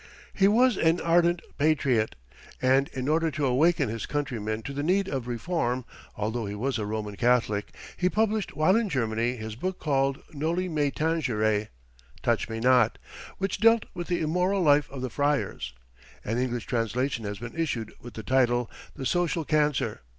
He was an ardent patriot, and in order to awaken his countrymen to the need of reform, although he was a Roman Catholic, he published while in Germany his book called "Noli Me Tangere," Touch Me Not which dealt with the immoral life of the friars. An English translation has been issued with the title, "The Social Cancer."